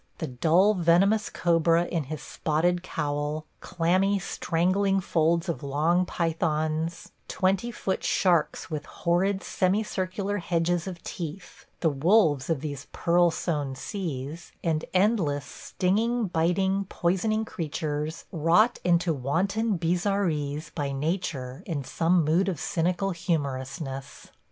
The dull, venomous cobra in his spotted cowl; clammy, strangling folds of long pythons; twenty foot sharks with horrid semi circular hedges of teeth – the wolves of these pearl sown seas – and endless stinging, biting, poisoning creatures wrought into wanton bizarreries by nature in some mood of cynical humorousness.